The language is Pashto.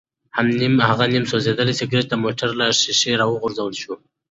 هغه نیم سوځېدلی سګرټ د موټر له ښیښې راوغورځول شو.